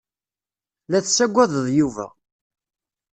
La tessaggaded Yuba.